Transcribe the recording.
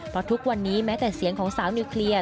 เพราะทุกวันนี้แม้แต่เสียงของสาวนิวเคลียร์